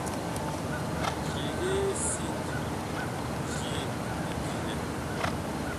Cegee sig je lidi nɛ.